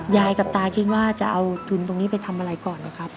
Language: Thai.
ยายกับตาคิดว่าจะเอาทุนตรงนี้ไปทำอะไรก่อนนะครับ